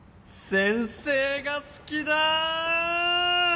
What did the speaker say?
先生が好きだっ！